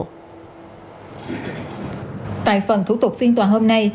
tại phần thủ tục phiên tòa hôm nay